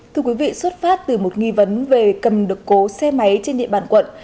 thưa quý vị xuất phát từ một nghi vấn về cầm được cố xe máy trên địa bàn quận